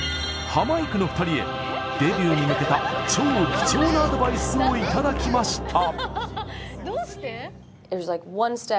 ハマいくの２人へデビューに向けた超貴重なアドバイスをいただきました！